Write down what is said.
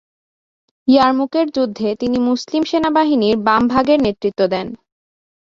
ইয়ারমুকের যুদ্ধে তিনি মুসলিম সেনাবাহিনীর বাম ভাগের নেতৃত্ব দেন।